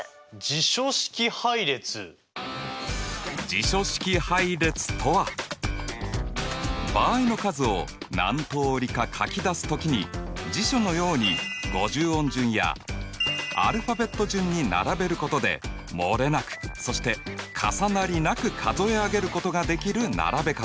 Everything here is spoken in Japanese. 辞書式配列とは場合の数を何通りか書き出す時に辞書のように五十音順やアルファベット順に並べることで漏れなくそして重なりなく数え上げることができる並べ方。